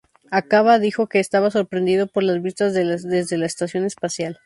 Acaba dijo que estaba sorprendido por las vistas desde la estación espacial.